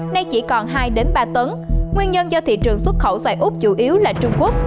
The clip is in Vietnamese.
nay chỉ còn hai ba tấn nguyên nhân do thị trường xuất khẩu xoài úc chủ yếu là trung quốc